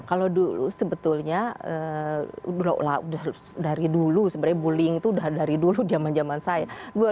kalau dulu sebetulnya dari dulu sebenarnya bullying itu udah dari dulu zaman zaman saya